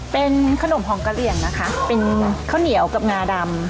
เป็นขนมของกะเหลี่ยงนะคะเป็นข้าวเหนียวกับงาดำ